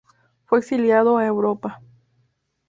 Fue exiliado a Europa.